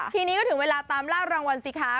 ทีนี้ก็ถึงเวลาตามลากรางวัลสิคะ